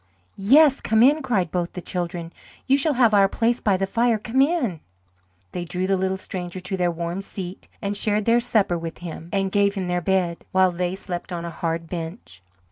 "Yes, come in," cried both the children. "You shall have our place by the fire. Come in." They drew the little stranger to their warm seat and shared their supper with him, and gave him their bed, while they slept on a hard bench.